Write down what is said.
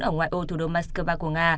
ở ngoài ô thủ đô moscow của nga